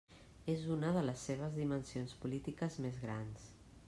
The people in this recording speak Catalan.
És una de les seves dimensions polítiques més grans.